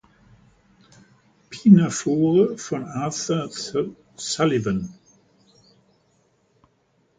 Pinafore von Arthur Sullivan.